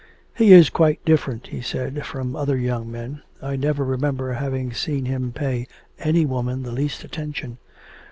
'He is quite different,' he said, 'from other young men. I never remember having seen him pay any woman the least attention.